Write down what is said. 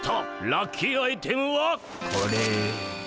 ラッキーアイテムはこれ！